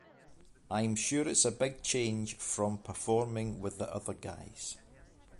I'm sure it's a big change from performing with the other guys.